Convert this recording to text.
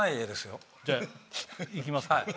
じゃいきますか。